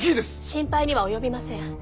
心配には及びません。